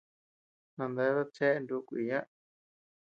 Nandeabead chea nuku kuiiyaa.